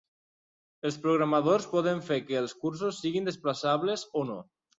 Els programadors poden fer que els cursors siguin desplaçables o no.